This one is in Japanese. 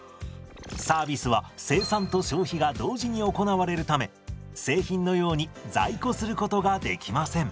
サービスは生産と消費が同時に行われるため製品のように在庫することができません。